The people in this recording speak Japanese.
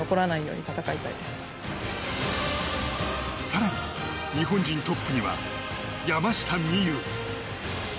更に、日本人トップには山下美夢有。